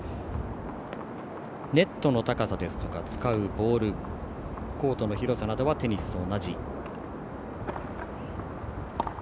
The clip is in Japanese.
ネットの高さですとか使うボールコートの広さなどはテニスと同じ。